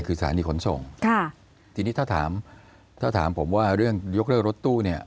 คือสถานที่ขนส่งทีนี้ถ้าถามผมว่าเรื่องยกเลิกรถตู้